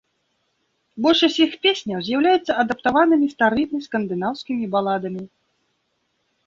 Большасць іх песняў з'яўляюцца адаптаванымі старымі скандынаўскімі баладамі.